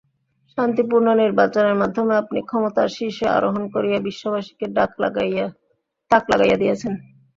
শান্তিপূর্ণ নির্বাচনের মাধ্যমে আপনি ক্ষমতার শীর্ষে আরোহণ করিয়া বিশ্ববাসীকে তাক লাগাইয়া দিয়াছেন।